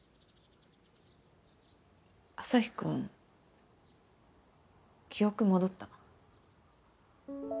アサヒくん記憶戻った。